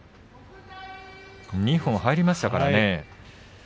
二本入りましたからね。